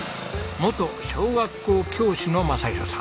元小学校教師の雅啓さん。